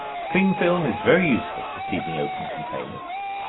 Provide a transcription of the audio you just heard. Clingfilm is very useful for sealing open containers